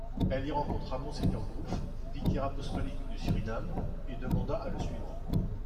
Il y rencontra monseigneur Groof, vicaire apostolique du Suriname, et demanda à le suivre.